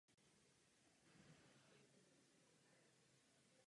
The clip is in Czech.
Patronem města je Jan Bosco.